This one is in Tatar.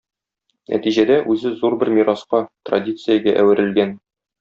Нәтиҗәдә, үзе зур бер мираска, традициягә әверелгән.